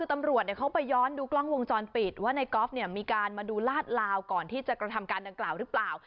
คือตำรวจเขาไปย้อนดูกล้องวงจรปิดว่าในกอล์ฟเนี่ยมีการมาดูลาดลาวก่อนที่จะกระทำการดังกล่าวหรือเปล่า